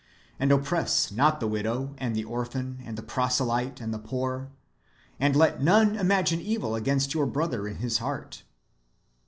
And oppress not the widow, and the orphan, and the proselyte, and the poor ; and let none imagine evil against your brother in his heart."